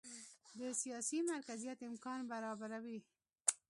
د سیاسي مرکزیت امکان برابروي.